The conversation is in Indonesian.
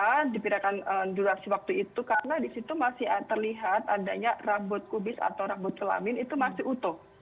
karena diperkirakan durasi waktu itu karena di situ masih terlihat adanya rambut kubis atau rambut kelamin itu masih utuh